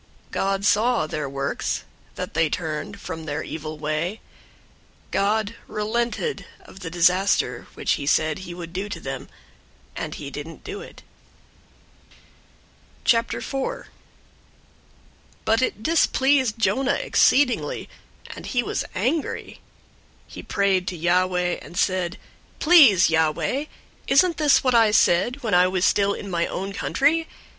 003:010 God saw their works, that they turned from their evil way. God relented of the disaster which he said he would do to them, and he didn't do it. 004:001 But it displeased Jonah exceedingly, and he was angry. 004:002 He prayed to Yahweh, and said, "Please, Yahweh, wasn't this what I said when I was still in my own country?